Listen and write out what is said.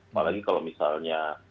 apalagi kalau misalnya